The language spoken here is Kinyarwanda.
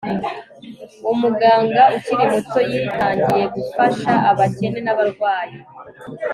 umuganga ukiri muto yitangiye gufasha abakene n'abarwayi